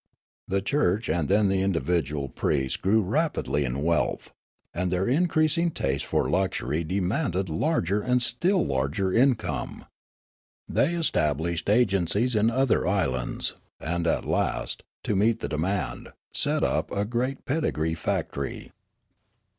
The church and then the individual priests grew rapidly in wealth; and their increasing taste for luxury demanded larger and still larger income. They established agencies in the other islands, and at last, to meet the demand, set up a great pedigree factory.